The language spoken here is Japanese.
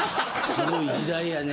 すごい時代やね。